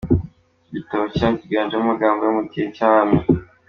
Iki gitabo kiganjemo amagambo yo mu gihe cy’Abami.